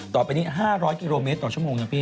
ต่อไปนี้๕๐๐กิโลเมตรต่อชั่วโมงนะพี่